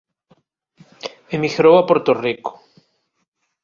Emigrou a Porto Rico.